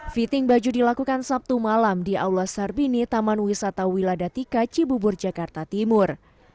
fitting baju dilakukan sabtu malam di aula sarbini taman wisata wiladatika cibubur jakarta timur